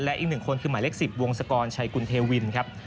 และอีกหนึ่งคนคือหมายเลข๑๐วงศกรชัยกุลเทวินครับ